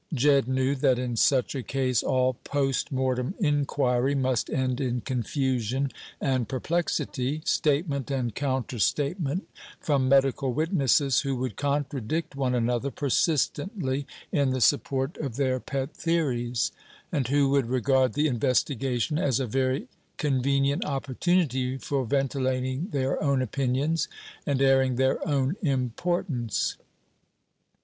Jedd knew that in such a case all post mortem inquiry must end in confusion and perplexity, statement and counter statement from medical witnesses, who would contradict one another persistently in the support of their pet theories, and who would regard the investigation as a very convenient opportunity for ventilating their own opinions and airing their own importance.